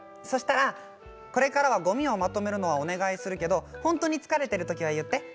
そしたらこれからは、ごみをまとめるのをお願いするけど本当に疲れているときは言って。